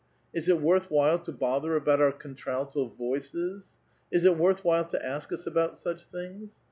Is it worth while to ,' bother about our contralto voices ? Is it worth while to ask ; US about such things